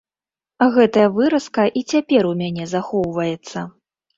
Гэтая выразка і цяпер у мяне захоўваецца.